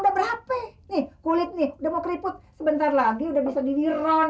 udah berhape nih kulit nih udah mau keriput sebentar lagi udah bisa diron